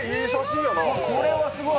これはすごい！